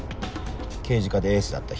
刑事課でエースだった人。